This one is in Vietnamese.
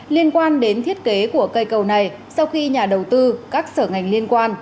liên quan đến thiết kế của cây cầu này sau khi nhà đầu tư các sở ngành liên quan